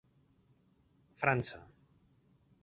França.